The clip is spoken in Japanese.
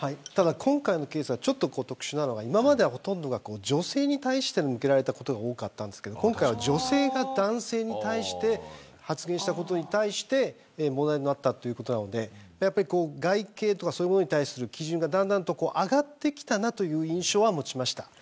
ただ、今回のケースはちょっと特殊なのは、今まではほとんどが女性に対して向けられたことが多かったんですけど今回は女性が男性に対して発言したことに対して問題になったっていうことなのでやっぱり外形とかそういうものに対する基準がだんだんと上がってきたなという印象はもちました。